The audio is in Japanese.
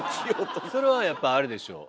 それはやっぱあれでしょう。